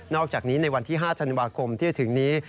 อกจากนี้ในวันที่๕ธันวาคมที่จะถึงนี้